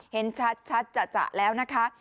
เห็นชัดจะแล้วนะคะ